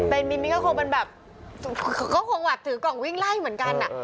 เป็นมิ้นก็คงมันแบบก็คงถือกล่องวิ่งไล่เหมือนกันอ่ะ